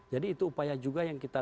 jadi itu upaya juga yang kita